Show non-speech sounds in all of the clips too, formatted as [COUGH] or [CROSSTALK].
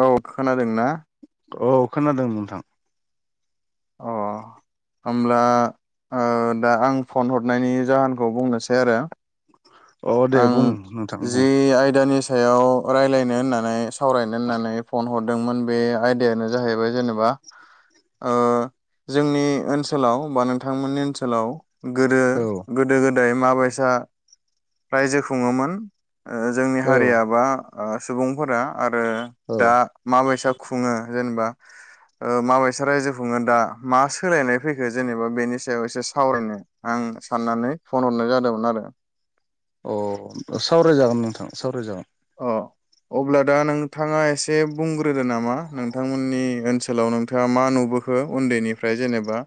औ खोनादोंना औ खोनादों नोंथां। होब्ला ओ दा आं फन हरनायनि जाहोनखौ बुंनोसै आरो। अ दे आं बुं नोंथां जि बुं आयदानिस याव रायलायनो होननानै। सावरायनो होन्नानै फन हर दोंमोन बे आयदायानो जाहैबाय जेनेबा ओ जोंनि ओनसोलाव बा नोंथांमोननि ओनसोलाव गोदो औ गोदो गोदाय दैमाबैसा रायजो खुङोमोन। ओ जोंनि औ हारियाबा ओ सुबुंफोरा आरो दा माबैसा खुङो जेनेबा ओ माबायसा रायजो खुङो दा मा सोलायनाय फैखो जेनेबा बेनि सायाव एसे सावरायनो आं साननानै फन हरनाय जादोंमोन आरो। अ सावरायजागोन नों थां सावराय जागोन। अ अब्ला दा नोंथाङा एसे बुंग्रोदो नामा नोंथांमोननि ओनसोलाव नोंथाङा मा नुबोखो उन्दैनिफ्राय जेनेबा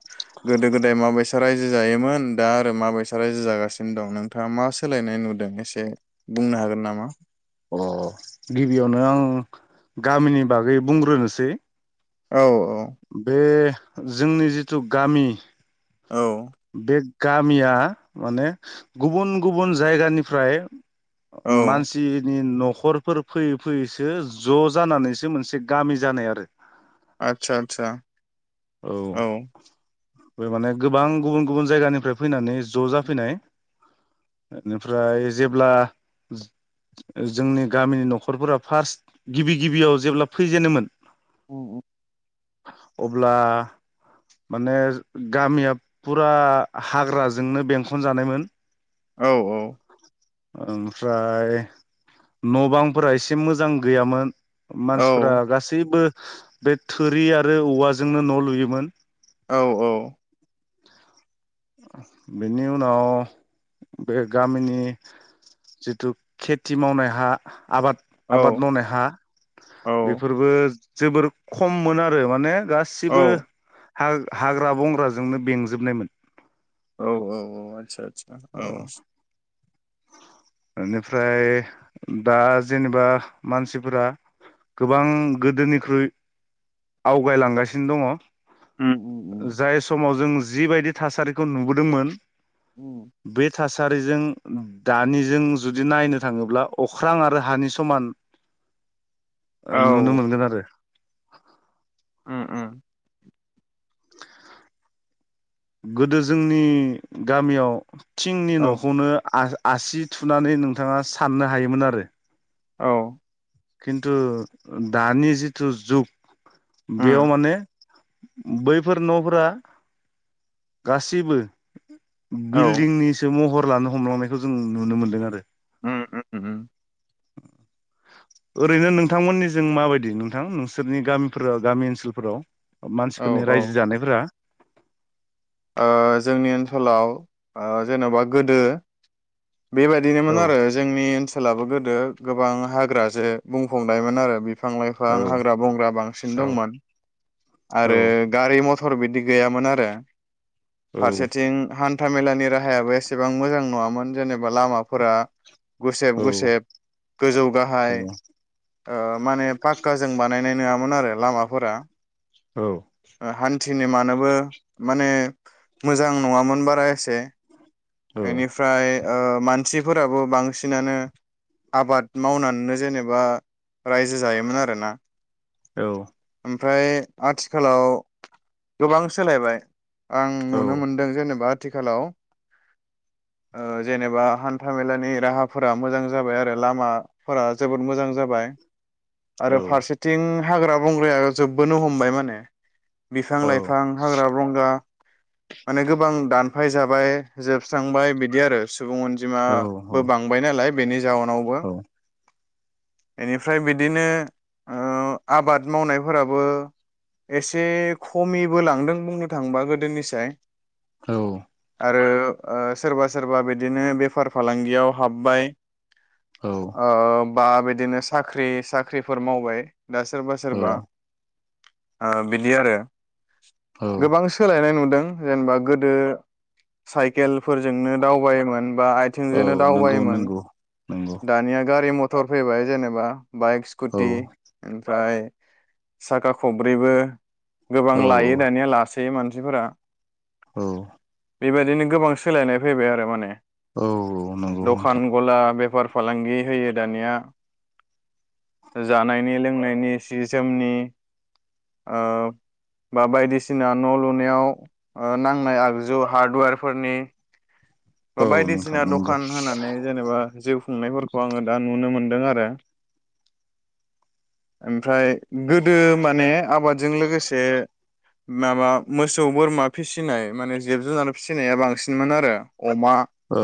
गोदो गोदाय माबायसा रायजो जायोमोन दा आरो माबाय सा रायजो जागासिनो दं नोंथाङा मा सोलायनाय नुदों एसे बुंनो हागोन नामा? अ गिबियावनो आं गामिनि बागै बुंग्रोनोसै। औ बे जोंनि जिथु गामि औ बे गामिया माने गुबुन गुबुन जायगानिफ्राय औ मानसिनि न'खरफोर फैयै फैयैसो ज' जानानैसो मोनसे गामि जानाय आरो। आतसा आतसा औ बे माने गोबां गुबुन गुबुन जायगानिफ्राय फैनानै ज' जाफैनाय बेनिफ्राय जेब्ला जोंनि गामिनि न'खरफोरा फार्स्ट गिबि गिबियाव जेब्ला फैजेनोमोन। उ औ अ अब्ला माने गामिया फुरा हाग्राजोंनो बेंखन जानायमोन। औ औ ओमफ्राय न' बांफोरा एसे मोजां गैयामोन। औ मानसिफ्रा गासैबो बे थुरि आरो औवाजोंनो न' लुयोमोन। औ बेनि उनाव बे गामिनि जिथु खेथि मावनाय हा आबाद औ आबाद मावनाय हा औ बेफोरबो जोबोर खममोन आरो माने गासिबो औ हा हाग्रा बंग्राजोंनो बेंजोबनायमोन। औ औ औ आतसा आसा औ बेनिफ्राय दा जेनेबा मानसिफोरा गोबां गोदोनिख्रुइ आवगायलांगासिनो उम उम उम दङ। जाय समाव जों जिबायदि थासारिखौ नुबोदोंमोन उम। बे थासारिजों दानिजों जुदि नायनो थाङोब्ला अख्रां आरो हानि समान औ - नुनो मोनगोन आरो। उम उम। गोदो जोंनि गामियाव थिंनि औ न'खौनो आ आसि थुनानै नोंथाङा साननो हायोमोन आरो। औ। खिन्थु दानि जिथु जुग बेयाव उम माने बैफोर न'फोरा गासैबो औ बिल्डिंनिसो महर लानो हमलांनायखौ जों नुनो मोनदों आरो। उम उम उम [INAUDIBLE] ओरैनो नोंथांमोननि जों माबायदि नोंथां नोंसोरनि गामिफोराव गामि ओनसोलफोराव। औ मानसिफोरनि औ रायजो जानायफोरा। ओ जोंनि ओनसोलाव ओ जेन'बा गोदो बेबायदिनोमोन औ आरो जोंनि ओन सोलाबो गोदो गोबां हाग्रा जो बुंफुंनायमोन आरो बिफां लाइफां औ हाग्रा बंग्रा बांसिन दंमोन औ आरो गारि मथ थर बिदि गैयामोन आरो। औ फारसेथिं हान हान्थामेलानि राहायाबो एसेबां मोजां नङामोन जेनेबा लामाफोरा गुसेब औ गुसेब गोजौ गाहाय ओ माने पाक्काजों बानायनाय नोंङामोन आरो लामाफोरा। औ हान्थिनो मानोबो माने मोजां नङामोन बारा एसे। औ एनिफ्राय ओ मानसि फोराबो बांसिनानो आबाद मावनानैनो जेनेबा रायजो जायोमोन आरोना। औ। ओमफ्राय आथिखालाव गोबां सोलायबाय। आं औ नुनो मोनदों जेनेबा आथिखालाव ओ जेनेबा हान्थामेलानि राहाफोरा मोजां जाबाय आरो लामाफोरा जोबोद मोजां जाबाय। आरो औ फारसेथिं हाग्रा बंग्राया जोबबोनो हमबाय माने। बिफां औ लाइफां हाग्रा बंग्रा माने गोबां दानफाय जाबाय जोबस्रांबाय बिदि आरो सुबुं अनजिमाबो बांबाय नालाय बेनि जाहोनावबो बेनिफ्राय बिदिनो ओ आबाद मावनायफोराबो एसे खमिबो लांदों बुंनो थाङबा गोद दोननिसाय औ आरो सोरबा सोरबा ओ बिदिनो बेफार फालांगियाव हाबबाय। औ ओ बा बिदिनो साख्रि साख्रिफोर मावबाय। दा सोरबा सोरबा ओ बिदि आरो औ गोबां सो नाय नुदों जेनेबा गोदो साइकेलफोरजोंनो दावबायोमोन। बा औ आथिंजोंनो नंगौ दावबायोमोन नंगौ नंगौ दानिया गारि मथ टर फैबाय जेनेबा बाइक औ स्कुटि ओमफ्राय साखा खब्रैबो गोबां औ लायो दानिया लास बे मानसिफोरा औ बेबायदिनो गोबां सोलायनाय फैबाय आरो माने औ औ नंगौ नोंथां। दखान गला बेफार फालांगि होयो दानिया जानायनि लोंनायनि सि जोमनि ओ बा बायदिसिना न' लुनायाव ओ नांनाय आगजु हार्डवेरफोरनि बा औ नोंथां बायदिसिना नंगौ दखान होनानै जेनेबा जिउ खुंनायफोरखो आङो दा नुनो मोनदों आरो ओमफ्राय गोदो माने आबादजों लोगोसे माबा मोसौ बोरमा फिसिनाय माने जिब जुनार फिसिनाया बांसिनमोन आरो अमा औ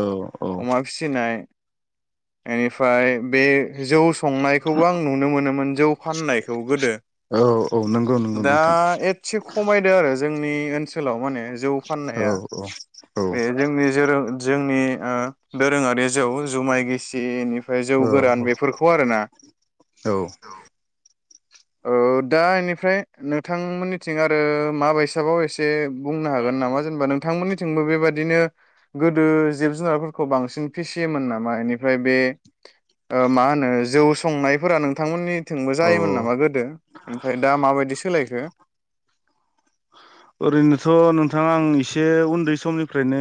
औ अमा फिसिनाय एनिफ्राय बे जौ संनायखौबो आं नुनो मोनोमोन जौ फाननायखौ गोदो औ औ नंगौ नंगौ दा नोंथां एटसे नोआरो जोंनि ओनसोलाव माने जौ औ फाननाया औ औ बे जोंनि जेराव जों नि ओ दोरोङारि जौ जुमाय गिसिनि ओमफ्राय जौ गोरान औ बेफोरखौ आरोना औ ओ दा इनिफ्राय नोंथांमोननिथिं आरो माबैसाबाव एसे बुंनो हागोन नामा जेनेबा नोंथांमोननिथिंबो बेबाददिनो गोदो जिब जुनारफोरखौ बांसिन फिसियोमोन नामा बेनिफ्राय बे ओ मा होनो जौ संनायफोरा नोंथांमोननि थिंबो औ जायोन नामा गोद ओरैनोथ नोंथाङा आं एसे उन्दै समनिफ्रायनो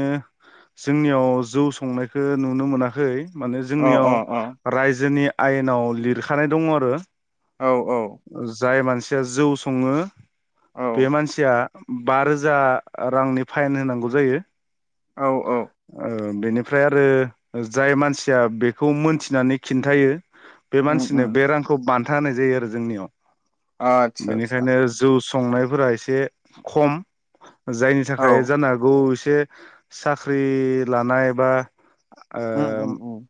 जोंनियाव जौ संनायखौ नुनो मोनाखै माने अ अ अ जोंनियाव रायजोनि आयेनाव लिरखानाय दङ आरो। औ औ जाय मानसि जौ सङो औ बे मानसिया बा रोजा रांनि फाइन होनांगौ जायो। औ औ। ओ बेनिफ्राय आरो जाय मानसिया बेखौ मोनथिनानै खिन्थायो। बे उम मानसिनो उम बे रांखौ बान था होनाय जायो आरो। जोंनियाव। आतसा आतसा बेनिखायनो जौ संनायफोरा एसे खम। जायनि औ थाखाय जानो हागौ एसे साख्रि लानाय बा उम उम ओ उम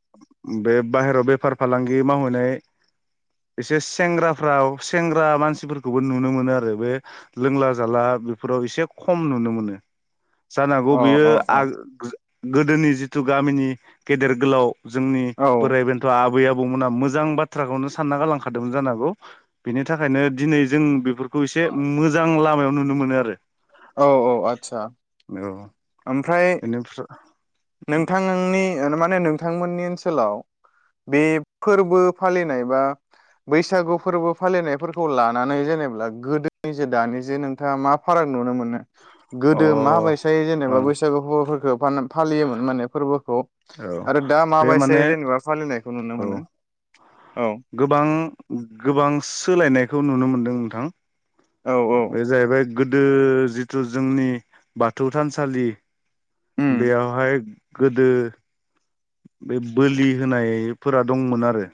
बे बाहेरायाव बेफार फालांगि मावहैाय एसे सेंग्रा फ्राव सेंग्रा मानसिफोरखौबो नुनो मोनो आरो बे लोंला जाला बेफोराव एसे खम नुनो मोनो। जानांगौ अ बेयो अ आ अ गोदोनि जिथु गामिनि गेदेर गोलाव जोंनि औ बोराइ बेन्थ। आबै आबौमोना मोजां बाथ्राखौनो सानना गालांखादोंमोन जानोहागौ। बेनि थाखायनो दिनै जों बेफोरखौ एसे मोजां लामायाव नुनो मोनो आरो। औ औ आतसा। औ ओमफ्राय बेनिफ्राय नोंथांनि माने नोंथांमोननि ओनसोलाव बे फोरबो फालिनाय बा बैसागु फोरबो फालिनायफोरखौ लानानै जेनै गोदोनि जों दानि जों नोंथाङा मा फाराग नुनो मोनो? अ गोदो माबायसायै जेनेबा ओं एबा बैसागु हौवाफोरखौ फालियोमोन माने फोरबो। औ आरो दा बे माबायस माने जेनेबा फालिनायखौ नुनो औ मोनो। औ गोबां गोबां सोलायनायखौ नुनो मोन्दों नोंथां। औ औ बे जाहैबाय गोदो जिथु जोंनि बाथौ थानसालि उम बेयावहाय गोदो बे बोलि होनायफोरा दंमोन आरो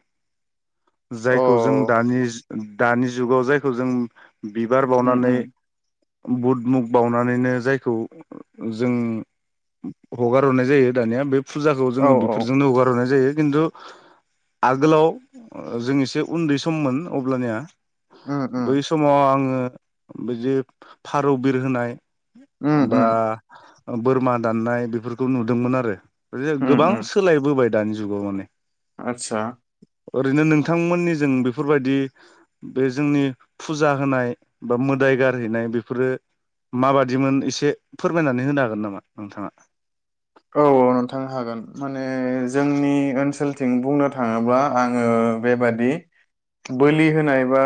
अ जायखौ जों दानि दानि जुगाव जायखौ जों बिबार उम बावनानै उम बुद मुग बावनानैनो जायखौ जों हगार हरनाय जायो दानिया बे फुजाखौ औ जोङो औ बेफोरजोंनो हगार हरनाय जायो। किन्तु आगोलाव जों एसे उन्दै सममोन अब्लानिया उम बै उम समाव आङो बिदि फारौ बिर होनाय उम ओमबा उम बोरमा दाननाय बेफोरखौ नुदोंमोन आरो जे उम गोबां उम सोलायबोबाय दानि जुगाव माने आदसा ओरैनो नोंथांमोननिजों बेफोरबायाददि बे जोंनि फुजा होनाय बा मोदाय गारहैनाय बेफोरो माबादिमोन एसे फोरमायनानै होनो हागोन नामा नोंथाङा? औ औ नोंथां हागोन माने जोंनि ओनसोल थिं बुंनो थाङोब्ला आङो बेबादि बोलि होनाय बा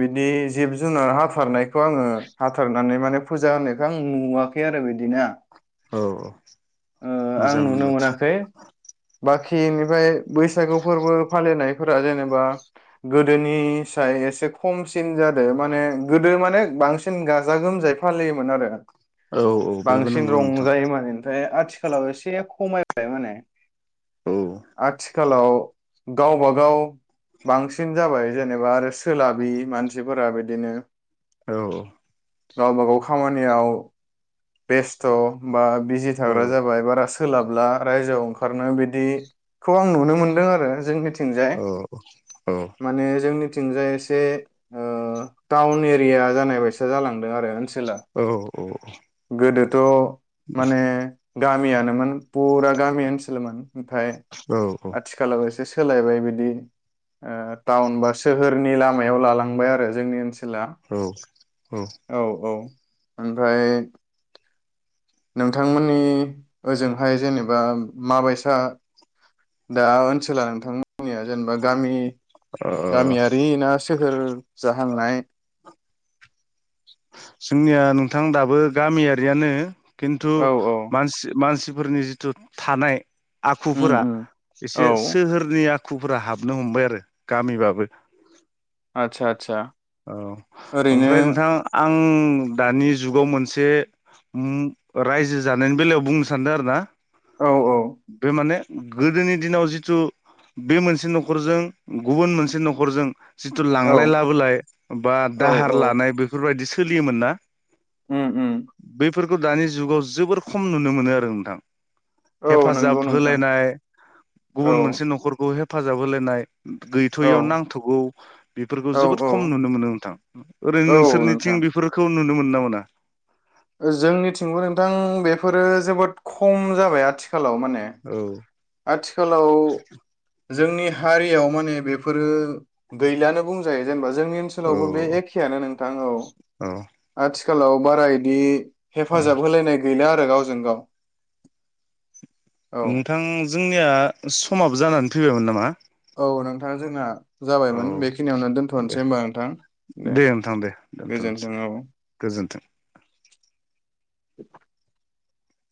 बिदि जिब जुनार हाथारनायखौ आङो हाथारनानै माने फुजा होनायखौ आं नुवाखै आरो बिदिना औ औ ओ आं मोजांनि नुनो बाथ्रा मोनाखै बाखि खि एनिफ्राय बैसागु फोरबो फालिनायफोरा जेनेबा गोदोनि साय एसे खमसिन जादों माने गोदो माने बांसिन गाजा गोमजायै फालियोमोन आरो। औ औ बेबो बांसिन नंगौ नोंथां रंजायोमोन ओमफ्राय आ थिखालाव एसे खमायबाय माने औ आथिखालाव गावबागाव बांसिन जाबाय जेनेबा आरो सोलाबि मानसिफोरा बिदिनो औ औ गावबा गाव खामानियाव बेस्थ' बा बिजि औ थाग्रा जा बाय बारा सोलाबला रायजोआव ओंखारनो बिदि खौ आं नुनो मोनदों आरो जोंनिथि जाय औ औ माने जोंनि थिंजाय एसे ओ टाउन एरिया जानाय बायसा जालांदों आरो ओन औ औ थ' माने गामियानोमोन फुरा गामि ओनसोलमोन ओमफाय आथिखालाव एसे सोलायबाय बिदि ओ टाउन बा सोहोरनि ला लामायाव लालांबाय आरो जोंनि ओनसो ला औ औ औ औ ओमफाय नोंथांमोननि ओजोंहाय जेनेबा माबायसा दा ओनसोला नोंथांमो जोंनिया जेनेबा गामि ओ गामियारि ना सोहोर जाहांनाय जोंनिया नोंथां दाबो गामियारियानो खिन्थु औ औ मानसि मानसि फोरनि जिथु थानाय उम आखुफोरा उम एसे औ सोहोरनि आ आखुफोरा हाबनो हमबाय आरो गामिबाबो आतसा आतसा औ ओमफ्राय नोंथां आं ओम दानि जुगाव मोनसे ओम रायजो जानायनि बेलायाव बुंनो सानदों आरो ना औ औ बे माने गोदोनि दिनाव जिथु बे मोनसे न'खरजों गुबुन मोनसे न'खरजों जिथु औ लांलाय लाबोलाय बा औ दाहार औ लानाय बेफोरबादि सो सोलियोमोन ना उम उम बेफोरखौ दानि जुगाव जोबोर खम नुनो मोनो आरो नोंथां औ हेफाजाब नंगौ नोंथां होलायनाय औ गुबुन मोनसे न'खरखौ हे हेफाजाब होलायनाय औ गैथ'यैयाव नांथ'गौ बेफोरखौ औ जोबोद औ खम नुनो मोनो नोंथां ओरैनो औ नोंसोरनिथिं नोंथां बेफोरखौ नुनो मोननो ना मोना जोंनिथिंबो नोंथां बेफोरो जोबोद खम जाबाय आथि खालाव माने औ आथिखालाव जोंनि हारियाव माने बेफोरो गैलानो बुंजायो जेनेबा जोंनि ओनसोलावबो बे औ एखेआनो नोंथां औ औ आथि खालाव बारा इदि। हेफाजाब होलायनाय गैला गावजों गाव। औ नोंथां जोंनिया समाबो जानानै फैबायमोन नामा? औ नोंथां जोंना औ जाबायमोन बेखिनियावनो दे दोन्थ'नोसै होनबा नोंथां दे नोंथां दे दोनथ'नोसै गोजोन्थों दे औ। गोजोन्थों [INAUDIBLE]